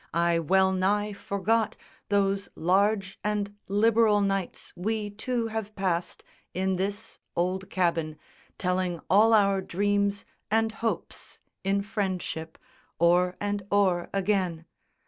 I well nigh forgot Those large and liberal nights we two have passed In this old cabin, telling all our dreams And hopes, in friendship, o'er and o'er again.